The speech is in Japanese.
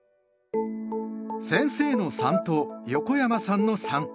先生の「三」と横山さんの「三」。